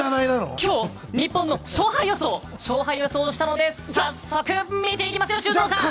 今日、日本の勝敗予想をしたので早速、見ていきますよ修造さん！